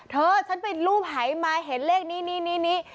เธอฉันเป็นรูปหายมาเห็นเลขนี้